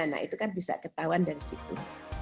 nah itu kan bisa ketahuan dari situ